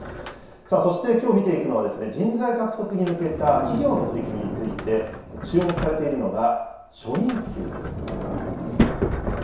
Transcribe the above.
そして、きょう見ていくのは、人材獲得に向けた企業の取り組みについて、注目されているのが、初任給です。